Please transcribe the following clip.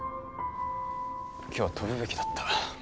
今日は飛ぶべきだった。